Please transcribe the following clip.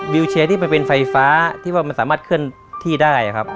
วิวเชียร์ที่มันเป็นไฟฟ้าที่ว่ามันสามารถเคลื่อนที่ได้ครับ